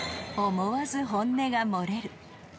［思わず本音が漏れる］